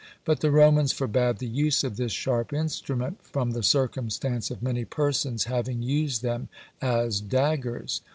But the Romans forbad the use of this sharp instrument, from the circumstance of many persons having used them as daggers.